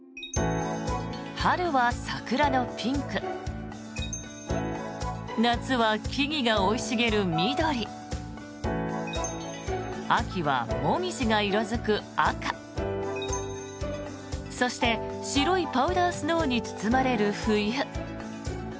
春は桜のピンク夏は木々が生い茂る緑秋は紅葉が色付く赤そして、白いパウダースノーに包まれる冬。